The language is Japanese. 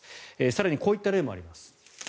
更に、こういった例もあります。